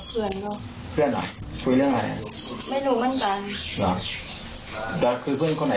เหลืองเหมือนกับว่าเหลืองเงิน